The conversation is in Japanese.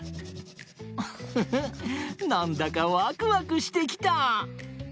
ウッフフなんだかワクワクしてきた！